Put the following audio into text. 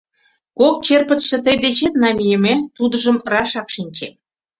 Кок черпытше тый дечет намийыме, тудыжым рашак шинчем.